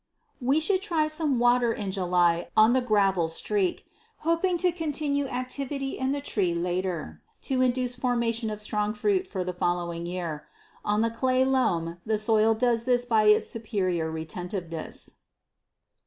We should try some water in July on the gravel streak, hoping to continue activity in the tree later to induce formation of strong fruit for the following year. On the clay loam the soil does this by its superior retentiveness.